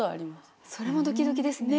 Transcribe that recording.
それもドキドキですね。